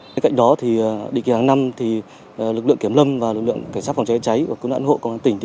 bên cạnh đó định kỳ hàng năm lực lượng kiểm lâm và lực lượng cảnh sát phòng cháy cháy và cứu nạn hộ công an tỉnh